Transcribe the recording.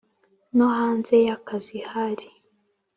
no hanze ya kazi hari